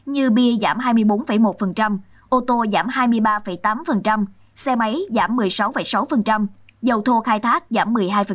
một số sản phẩm công nghiệp chủ lực trong bốn tháng giảm sâu và tăng thấp so với cùng kỳ năm trước như bia giảm hai mươi bốn một ô tô giảm hai mươi ba tám xe máy giảm một mươi sáu sáu dầu thô khai thác giảm một mươi hai